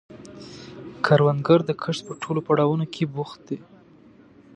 کروندګر د کښت په ټولو پړاوونو کې بوخت دی